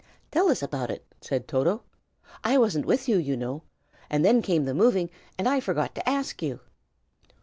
"Tell us about it," said Toto. "I wasn't with you, you know; and then came the moving, and I forgot to ask you."